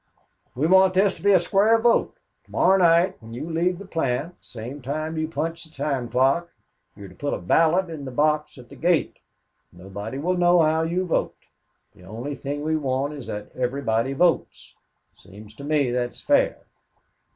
"We want this to be a square vote. To morrow night, when you leave the plant, the same time you punch the time clock, you are to put a ballot in a box at the gate. Nobody will know how you vote. The only thing we want is that everybody votes. It seems to me that's fair.